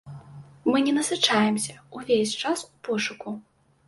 Мы не насычаемся, ўвесь час ў пошуку.